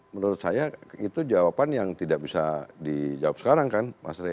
menurut saya itu jawaban yang tidak bisa dijawab sekarang kan mas rey